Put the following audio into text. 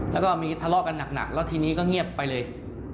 แล้วก็มีทะเลาะกันหนักแล้วทีนี้ก็เงียบไปเลย